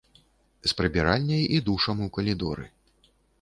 З прыбіральняй і душам у калідоры.